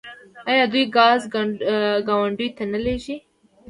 آیا دوی ګاز ګاونډیو ته نه لیږي؟